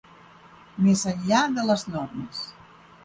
Més enllà de les normes.